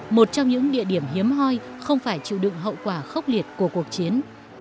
một trong những địa điểm hiếm hoi không phải chịu đựng hậu quả khốc liệt của cuộc chiến